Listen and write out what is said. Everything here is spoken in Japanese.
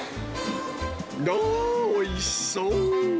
おー、おいしそう。